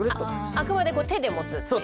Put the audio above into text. あくまで手で持つ。